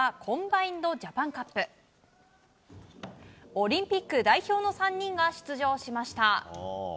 オリンピック代表の３人が出場しました。